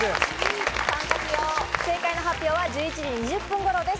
正解の発表は１１時２０分頃です。